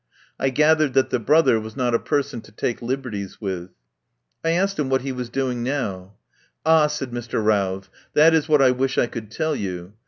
I gathered that the brother was not a person to take liberties with. I asked him what he was doing now. "Ah," said Mr. Routh, "that is what I wish I could tell you.